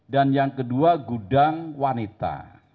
dan yang kedua gudang wanita